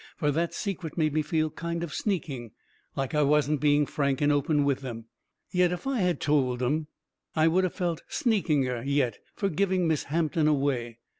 Fur that secret made me feel kind of sneaking, like I wasn't being frank and open with them. Yet if I had of told 'em I would of felt sneakinger yet fur giving Miss Hampton away.